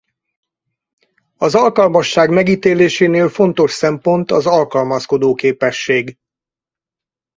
Az alkalmasság megítélésénél fontos szempont az alkalmazkodó képesség.